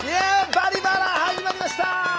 「バリバラ」始まりました！